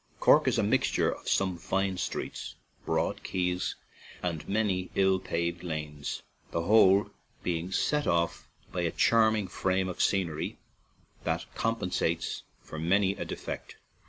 Cork is a mixture of some fine streets, broad quays, and many ill paved lanes, the whole being set off by a charming frame of scenery that compensates for many a defect.